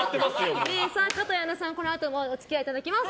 加藤綾菜さんにはこのあともお付き合いいただきます。